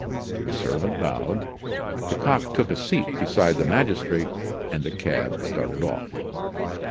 The servant bowed. Lecoq took a seat beside the magistrate and the cab started off.